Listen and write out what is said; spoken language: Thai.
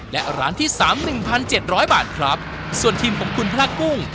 และร้านที่สามหนึ่งพันเจ็ดร้อยบาทครับส่วนทีมของคุณพระกุ้ง